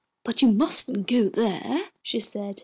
"But you mustn't go there," she said.